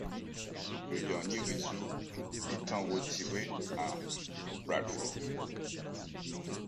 Le dernier réseau étant retiré à Bradford.